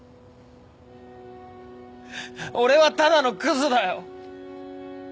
俺はただのクズだよ。